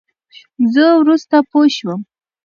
زه ورورسته پوشوم.